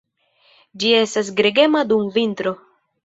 Ĝi estas gregema dum vintro.